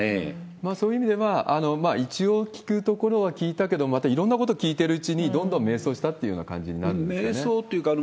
そういう意味では、一応聞くところは聞いたけれども、またいろんな事聞いてるうちに、どんどん迷走したっていうふうな感じになるんですかね。